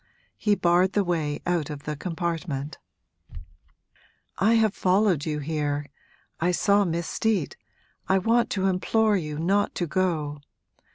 He barred the way out of the compartment. 'I have followed you here I saw Miss Steet I want to implore you not to go!